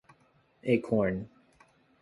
Aku harus mengirim faksimilenya.